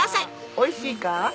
おいしいか？